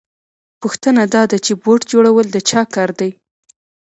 پوښتنه دا ده چې بوټ جوړول د چا کار دی